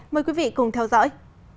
mời quý vị cùng theo dõi